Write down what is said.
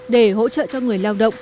để hỗ trợ cho người lao động